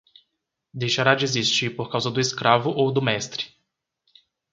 Deixará de existir por causa do escravo ou do mestre.